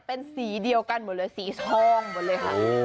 เป็นสีเดียวกันหมดเลยสีทองหมดเลยค่ะ